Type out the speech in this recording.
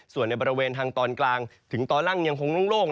ส่วนในบริเวณทางตอนกลางถึงตอนล่างยังคงโล่ง